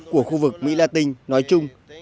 của khu vực mỹ la tinh nói chung